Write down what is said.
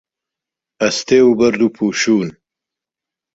ئەستێ و بەرد و پووشوون